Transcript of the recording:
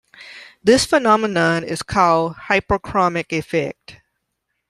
This phenomenon is called the hypochromic effect.